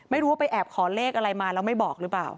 ไม่รู้ว่าไปแอบขอเลขอะไรมาแล้วไม่บอกหรือเปล่า